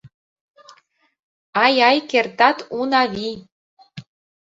— Ай-яй кертат, Унавий!